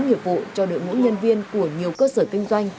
nghiệp vụ cho đội ngũ nhân viên của nhiều cơ sở kinh doanh